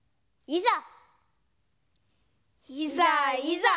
いざ！